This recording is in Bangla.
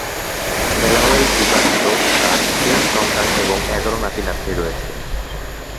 হেলাওয়েল বিবাহিত, তার তিন সন্তান এবং এগারো নাতি-নাতনী রয়েছে।